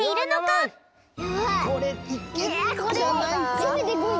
せめて５い！